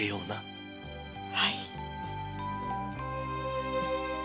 はい。